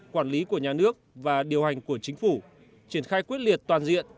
quản lý của nhà nước và điều hành của chính phủ triển khai quyết liệt toàn diện